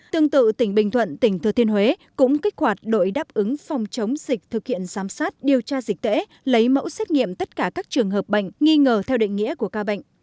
tương tự tỉnh bình thuận tỉnh thừa thiên huế cũng kích hoạt đội đáp ứng phòng chống dịch thực hiện giám sát điều tra dịch tễ lấy mẫu xét nghiệm tất cả các trường hợp bệnh nghi ngờ theo định nghĩa của ca bệnh